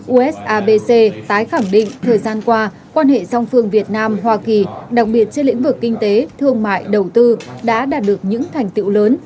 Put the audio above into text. usabc tái khẳng định thời gian qua quan hệ song phương việt nam hoa kỳ đặc biệt trên lĩnh vực kinh tế thương mại đầu tư đã đạt được những thành tựu lớn